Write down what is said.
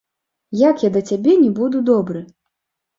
Як я да цябе не буду добры?